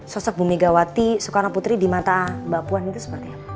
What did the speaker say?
sosok bumi gawati soekarno putri di mata bapuan itu seperti apa